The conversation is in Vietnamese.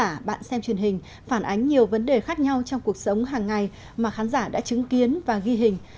và khán giả bạn xem truyền hình phản ánh nhiều vấn đề khác nhau trong cuộc sống hàng ngày mà khán giả đã chứng kiến và ghi hình